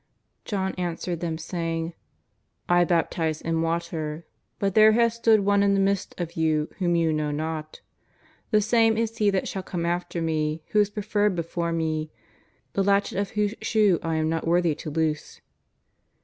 John answered them saying: "I baptize in water, but there hath stood One in the midst of you whom you know not. The same is He that shall come after Me, who is preferred before Me, the latcbet of whose shoe I am not worthy to loose."